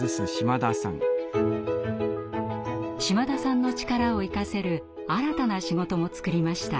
島田さんの力を生かせる新たな仕事も作りました。